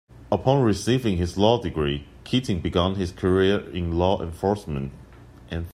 Upon receiving his law degree, Keating began his career in law enforcement.